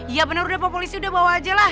iya bener pak polisi udah bawa aja lah